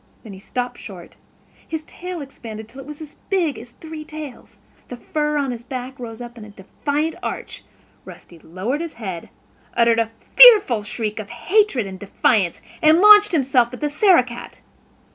Then he stopped short; his tail expanded until it was as big as three tails. The fur on his back rose up in a defiant arch; Rusty lowered his head, uttered a fearful shriek of hatred and defiance, and launched himself at the Sarah cat.